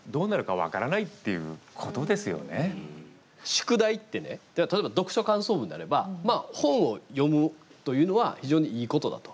宿題ってね例えば読書感想文であれば本を読むというのは非常にいいことだと。